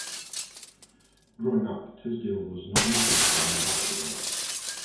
Growing up, Tisdale was not interested in basketball.